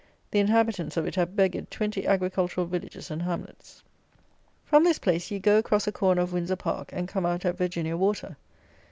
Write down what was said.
The inhabitants of it have beggared twenty agricultural villages and hamlets. From this place you go across a corner of Windsor Park, and come out at Virginia Water.